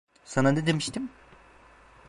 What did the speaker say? Sana ne demiştim?